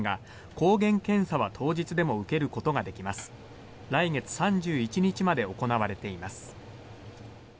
来月３１日まで行われています。